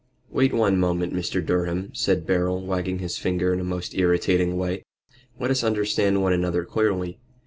"Wait one moment, Mr. Durham," said Beryl, wagging his finger in a most irritating way. "Let us understand one another clearly.